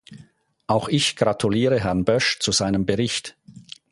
Auch ich gratuliere Herrn Bösch zu seinem Bericht.